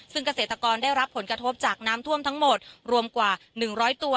ซึ่งเกษตรกรได้รับผลกระทบจากน้ำท่วมทั้งหมดรวมกว่า๑๐๐ตัว